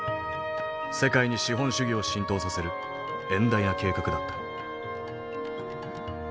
世界に資本主義を浸透させる遠大な計画だった。